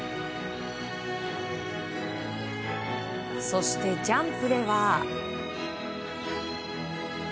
そしてジャンプでは。